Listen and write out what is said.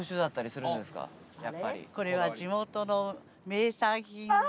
これは地元の名産品で。